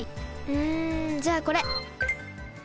うんじゃあこれ。